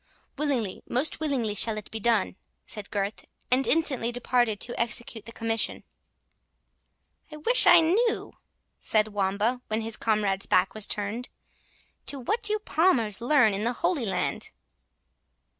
"Willingly, most willingly shall it be done," said Gurth, and instantly departed to execute the commission. "I wish I knew," said Wamba, when his comrade's back was turned, "what you Palmers learn in the Holy Land."